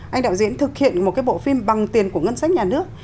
anh đạo diễn thực hiện một cái bộ phim bằng tiền của ngân sách nhà nước